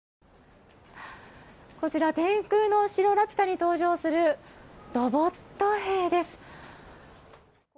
こちら「天空の城ラピュタ」に登場するロボット兵です。